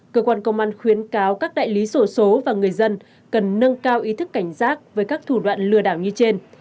cơ quan công an khuyến cáo các đại lý sổ số và người dân cần nâng cao ý thức cảnh giác với các thủ đoạn lừa đảo như trên